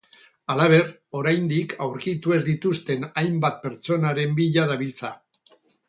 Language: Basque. Halaber, oraindik aurkitu ez dituzten hainbat pertsonaren bila dabiltza.